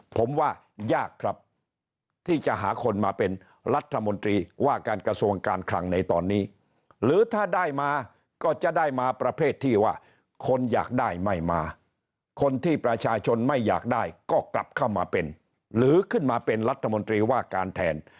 ผมว่ายากครับที่จะหาคนมาเป็นรัฐมนตรีว่าการกระทรวงการคลังในตอนนี้หรือถ้าได้มาก็จะได้มาประเภทที่ว่าคนอยากได้ไม่มาคนที่ประชาชนไม่อยากได้ก็กลับเข้ามาเป็นหรือขึ้นมาเป็นรัฐมนตรีว่าการแทน